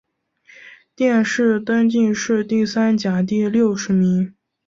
殿试登进士第三甲第六十名。